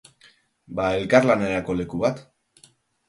Ba elkarlanerako leku bat.